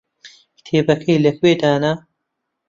کتێبەکەی لەکوێ دانا؟